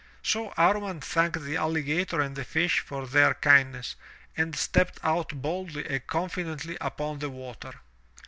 So Amman thanked the alligator and the fish for their kind ness, and stepped out boldly and confidently upon the water.